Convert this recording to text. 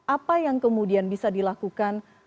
apa yang kemudian bisa dilakukan secara cemerlang